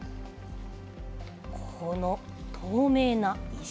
この透明な石。